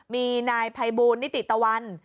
มีนายไภบูลนิติตวัล